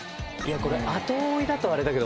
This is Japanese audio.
これ後追いだとあれだけど。